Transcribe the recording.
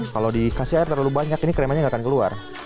kalau dikasih air terlalu banyak ini kremanya nggak akan keluar